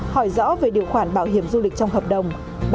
hỏi rõ về điều khoản bảo hiểm du lịch trong hợp đồng